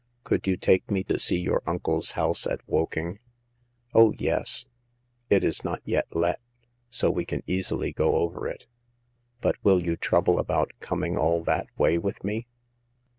Could you take me to see your uncle's house at Woking ?"" Oh, yes ; it is not yet let, so we can easily go over it. But will you trouble about coming all that way with me